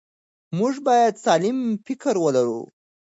موږ باید سالم فکر ولرو.